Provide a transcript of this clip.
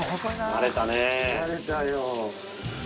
慣れたよ。